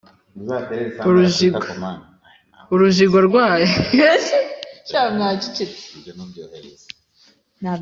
Urujigo rwayo kwa Bakame, iratura isubira inyuma yiruka.